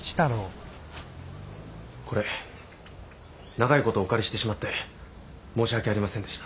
これ長い事お借りしてしまって申し訳ありませんでした。